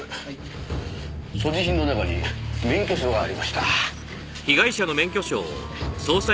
所持品の中に免許証がありました。